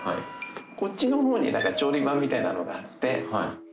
こっちのほうに調理場みたいなのがあって。